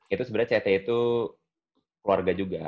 itu sebenernya ct itu keluarga juga